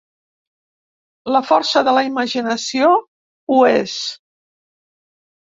La força de la imaginació ho és.